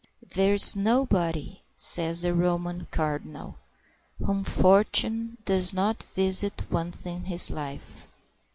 "There is nobody," says a Roman cardinal, "whom fortune does not visit once in his life.